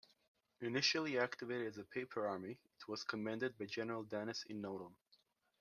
Initially activated as a paper army, it was commanded by General Dennis E. Nolan.